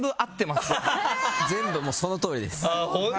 全部そのとおりです。